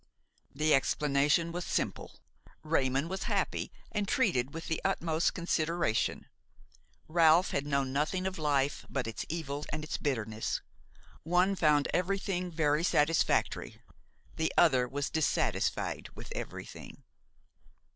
The explanation was simple: Raymon was happy and treated with the utmost consideration, Ralph had known nothing of life but its evils and its bitterness; one found everything very satisfactory, the other was dissatisfied with everything.